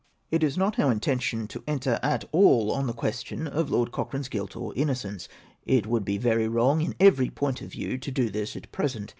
It is not our intention to enter at all on the question of Lord Coehrane's guilt or innocence ; it Avould be very ^vi ong in ever}^ point of view to do this at present.